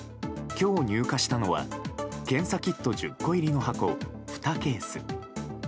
今日入荷したのは検査キット１０個入りの箱２ケース。